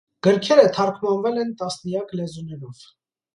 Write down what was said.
Գրքերը թարգմանվել են տասնյակ լեզուներով։